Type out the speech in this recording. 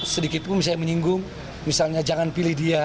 sedikit pun saya menyinggung misalnya jangan pilih dia